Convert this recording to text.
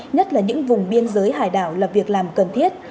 nhất là những vùng biên giới hải đảo là việc làm cần thiết